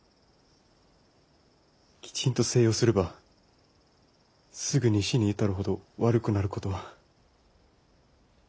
きちんと静養すればすぐに死に至るほど悪くなることは。